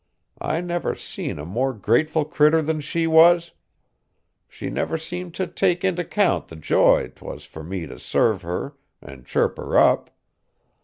I never seen a more grateful critter than she was. She never seemed t' take int' 'count the joy 't was fur me to serve her an' chirp her up.